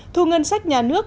thu ngân sách nhà nước